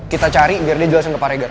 kita cari biar dia jelasin ke pak regar